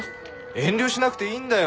遠慮しなくていいんだよ。